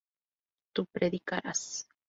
tu predicarás